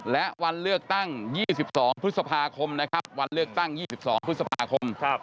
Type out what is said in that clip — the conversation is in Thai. และวันเลือกตั้ง๒๒พฤษภาคมนะครับวันเลือกตั้ง๒๒พฤษภาคม